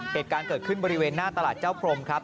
เหตุการณ์เกิดขึ้นบริเวณหน้าตลาดเจ้าพรมครับ